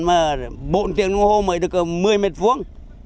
mà bộn tiện ngô hô mới được một mươi m hai